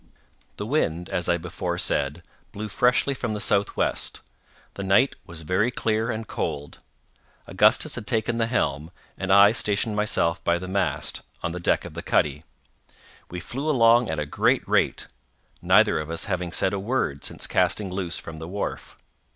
The wind, as I before said, blew freshly from the southwest. The night was very clear and cold. Augustus had taken the helm, and I stationed myself by the mast, on the deck of the cuddy. We flew along at a great rate—neither of us having said a word since casting loose from the wharf.